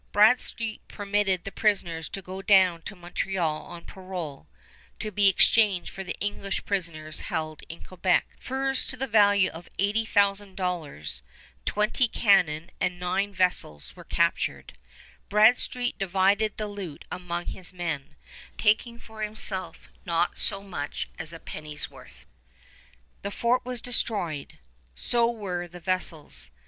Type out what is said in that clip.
Bradstreet permitted the prisoners to go down to Montreal on parole, to be exchanged for English prisoners held in Quebec. Furs to the value of $800,000, twenty cannon, and nine vessels were captured. Bradstreet divided the loot among his men, taking for himself not so much as a penny's worth. The fort was destroyed. So were the vessels.